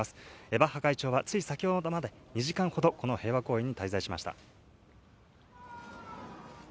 バッハ会長はつい先ほどまで、２時間ほど、この平和公園に滞在しました。